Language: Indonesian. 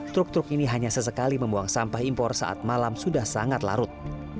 truk truk ini hanya sesekali membuang sampah impor saat malam sudah sangat larut